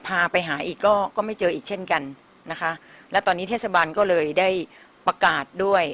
พาไปหาอีกก็ก็ไม่เจออีกเช่นกันนะคะและตอนนี้เทศบาลก็เลยได้ประกาศด้วย